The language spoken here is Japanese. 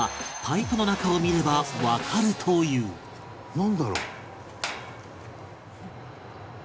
「なんだろう？」